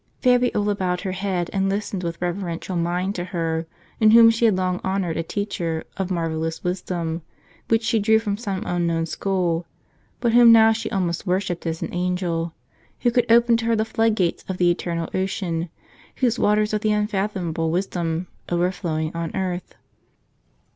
Fabiola bowed her head, and listened with reverential mind to her, in whom she had long honored a teacher of mar vellous wisdom, which she drew from some unknown school ; but whom now she almost worshipped as an angel, who could open to her the flood gates of the eternal ocean, whose waters are the unfathomable Wisdom, overflowing on earth.